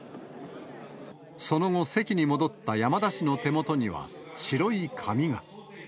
その後、席に戻った山田氏の手元には白い紙が。